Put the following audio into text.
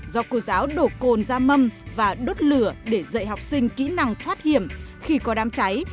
do cô giáo đổ cồn ra mâm và đốt lửa để dạy học sinh kỹ năng thoát hiểm khi có đám cháy